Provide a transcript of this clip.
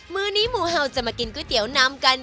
มือนี้หมูเห่าจะมากินก๋วยเตี๋ยวนำกัน